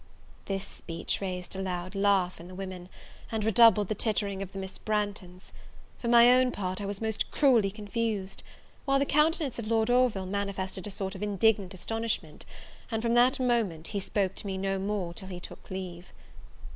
This speech raised a loud laugh in the women, and redoubled the tittering of the Miss Branghtons. For my own part, I was most cruelly confused: while the countenance of Lord Orville manifested a sort of indignant astonishment; and, from that moment, he spoke to me no more till he took leave.